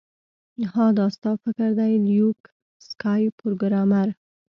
ها دا ستا فکر دی لیوک سکای پروګرامر